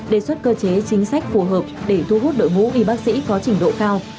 đề xuất cơ chế chính sách phù hợp để thu hút đội ngũ y bác sĩ có trình độ cao